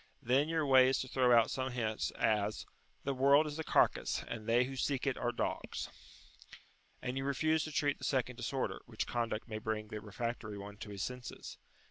Then your way is to throw out some such hint as "The world is a carcass, and they who seek it are dogs." And you refuse to treat the second disorder, which conduct may bring the refractory one to his senses.